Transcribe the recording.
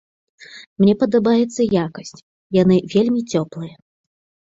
Мне падабаецца якасць, яны вельмі цёплыя.